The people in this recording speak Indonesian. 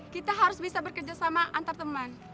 kita harus bisa bekerja sama antar teman